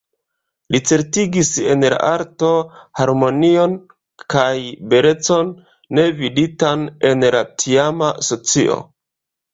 Li certigis en la arto harmonion kaj belecon, ne viditan en la tiama socio.